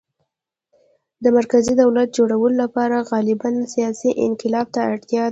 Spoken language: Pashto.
د مرکزي دولت جوړولو لپاره غالباً سیاسي انقلاب ته اړتیا ده